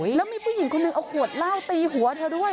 แล้วมีผู้หญิงคนหนึ่งเอาขวดเหล้าตีหัวเธอด้วย